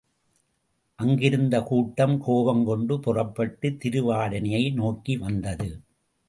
அங்கிருந்த கூட்டம் கோபங்கொண்டு புறப்பட்டு திருவாடானையை நோக்கி வந்தது.